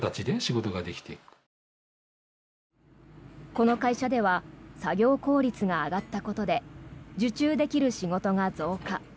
この会社では作業効率が上がったことで受注できる仕事が増加。